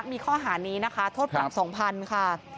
มีข้อหานี้นะคะโทษปรับ๒๐๐๐ค่ะ